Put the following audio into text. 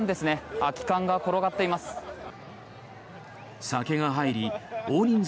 空き缶が転がっています。